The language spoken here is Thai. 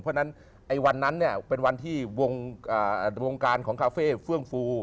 เพราะฉะนั้นวันนั้นเนี่ยเป็นวันที่วงการของคาเฟ่เฟื่องฟู